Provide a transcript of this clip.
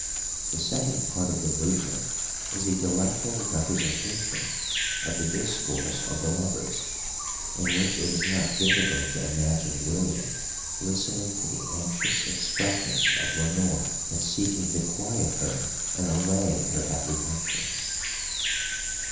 "The second part of the movement is a delightful representation of the discourse of the lovers, in which it is not difficult to imagine William listening to the anxious expressions of Lenore and seeking to quiet her and allay her apprehensions."